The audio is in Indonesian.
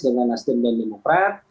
dengan nasdem dan demokrat